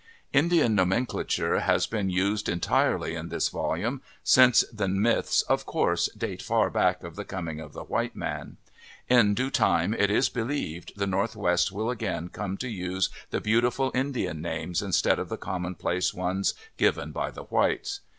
Indian nomenclature has been used entirely in this volume, since the myths, of course, date far back of the coming of the white man. In due time, it is be lieved, the Northwest will again come to use the beautiful Indian names instead of the commonplace ones given by the whites.